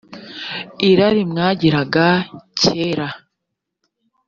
irari mwagiraga kera